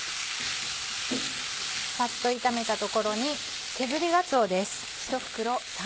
サッと炒めたところに削りがつおです。